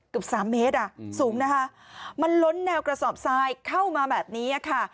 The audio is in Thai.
เกือบสามเมตรอ่ะสูงนะคะมันล้นแนวกระสอบทรายเข้ามาแบบนี้ค่ะ